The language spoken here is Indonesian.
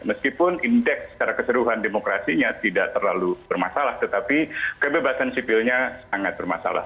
meskipun indeks secara keseluruhan demokrasinya tidak terlalu bermasalah tetapi kebebasan sipilnya sangat bermasalah